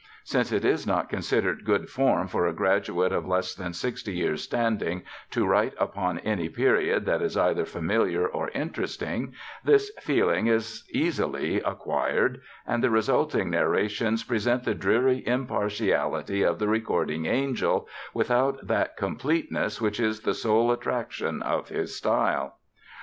Since it is not considered good form for a graduate of less than sixty years' standing to write upon any period that is either familiar or interesting, this feeling is easily acquired, and the resulting narrations present the dreary impartiality of the Recording Angel without that completeness which is the sole attraction of his style.